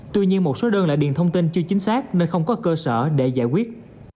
tuy nhiên một số đơn lại điền thông tin chưa chính xác nên không có cơ sở để giải quyết